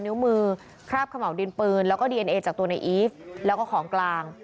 นิ้วมือคราบขะเมาดินปืนแล้วก็จากตัวแล้วก็ของกลาง